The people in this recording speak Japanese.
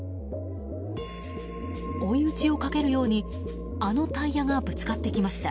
追い打ちをかけるようにあのタイヤがぶつかってきました。